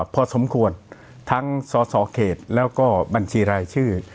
พอสมควรทั้งสสเขตแล้วก็บัญชีรายชื่อ